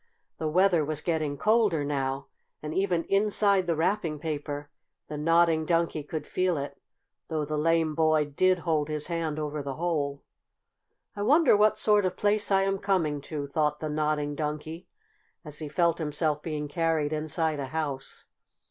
The weather was getting colder now, and even inside the wrapping paper the Nodding Donkey could feel it, though the lame boy did hold his hand over the hole. "I wonder what sort of place I am coming into?" thought the Nodding Donkey, as he felt himself being carried inside a house.